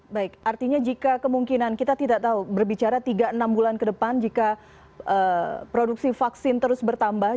baik artinya jika kemungkinan kita tidak tahu berbicara tiga enam bulan ke depan jika produksi vaksin terus bertambah